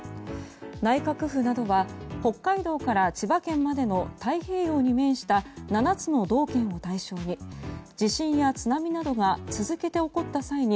内閣府などは北海道から千葉県までの太平洋に面した７つの道県を対象に地震や津波などが続けて起こった際に